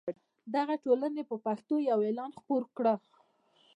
دغې ټولنې په پښتو یو اعلان خپور کړ.